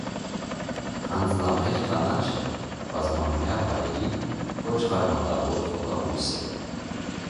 Ղանձլամեր կանաչը բազմամյա վայրի կոճղարմատավոր խոտաբույս է։